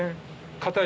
硬い。